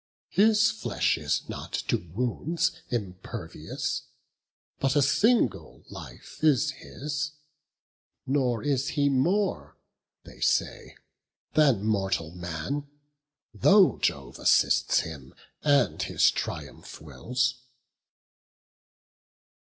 his flesh is not to wounds Impervious: but a single life is his, Nor is he more, they say, than mortal man, Though Jove assists him, and his triumph wills."